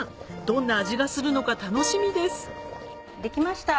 どんな味がするのか楽しみですできました。